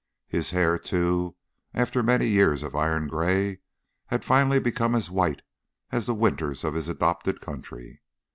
His hair, too, after many years of iron grey, had finally become as white as the winters of his adopted country.